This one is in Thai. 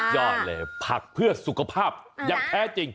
ยอดเลยผักเพื่อสุขภาพอย่างแท้จริง